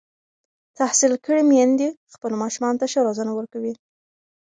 تحصیل کړې میندې خپلو ماشومانو ته ښه روزنه ورکوي.